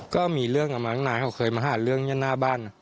ก็มีเรื่องกับมาน้องน้ายเคยมาหาเรื่องอย่างหน้าบ้าน